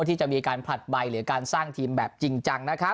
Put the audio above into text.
ที่จะมีการผลัดใบหรือการสร้างทีมแบบจริงจังนะครับ